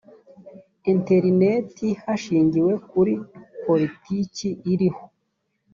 interineti hashingiwe kuri politiki iriho